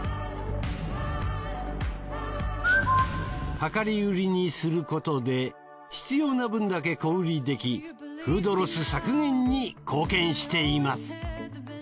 量り売りにすることで必要な分だけ小売りできフードロス削減に貢献しています。